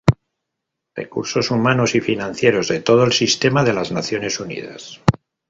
Recursos humanos y financieros de todo el sistema de las Naciones Unidas.